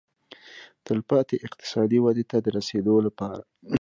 تلپاتې اقتصادي ودې ته د رسېدو لپاره.